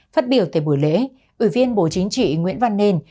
phát biểu tại buổi lễ ủy viên bộ chính trị nguyễn văn nên